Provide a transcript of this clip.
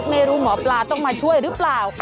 ไม่รู้หมอปลาต้องมาช่วยหรือเปล่า